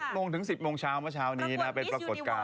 โมงถึง๑๐โมงเช้าเมื่อเช้านี้นะเป็นปรากฏการณ